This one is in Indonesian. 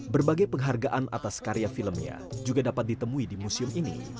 berbagai penghargaan atas karya filmnya juga dapat ditemui di museum ini